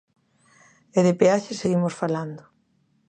E de peaxes seguimos falando.